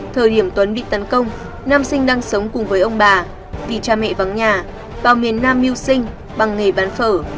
thời điểm tuấn bị tấn công nam sinh đang sống cùng với ông bà vì cha mẹ vắng nhà vào miền nam mưu sinh bằng nghề bán phở